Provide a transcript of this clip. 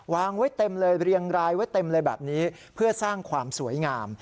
วางไว้เต็มเลยเรียงรายไว้เต็มเลยแบบนี้เพื่อสร้างความสวยงาม